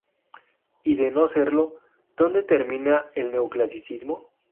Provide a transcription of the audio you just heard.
Y, de no serlo, ¿Dónde termina el neoclasicismo?